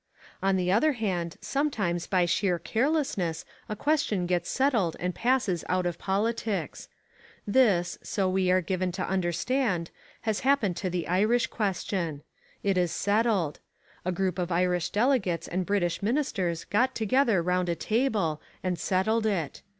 On the other hand sometimes by sheer carelessness a question gets settled and passes out of politics. This, so we are given to understand, has happened to the Irish question. It is settled. A group of Irish delegates and British ministers got together round a table and settled it.